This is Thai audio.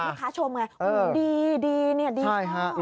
มีค้าชมไงโอ้โฮดีเนี่ยดีกว่า